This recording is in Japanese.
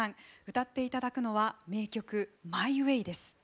歌っていただくのは名曲「マイ・ウェイ」です。